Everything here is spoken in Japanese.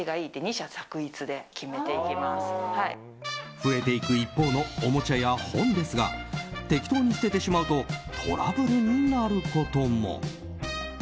増えていく一方のおもちゃや本ですが適当に捨ててしまうとトラブルになることも。